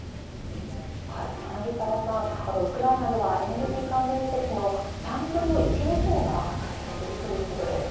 柳澤さん、ウクライナではエネルギー関連施設の３分の１以上が破壊されているということです。